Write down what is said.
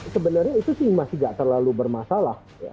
sebenarnya itu sih masih tidak terlalu bermasalah